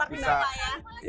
seperti bapak ya